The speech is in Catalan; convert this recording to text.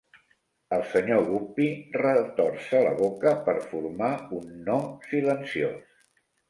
El senyor Guppy retorça la boca per formar un "No!" silenciós.